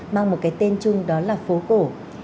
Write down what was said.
mang một cái tên chung đó là phố cổ